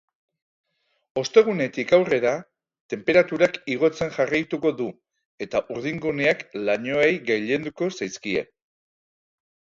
Ostegunetik aurrera, tenperaturak igotzen jarraituko du eta urdinguneak lainoei gailenduko zaizkie.